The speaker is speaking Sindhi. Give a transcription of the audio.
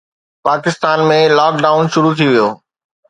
پاڪستان ۾ لاڪ ڊائون شروع ٿي ويو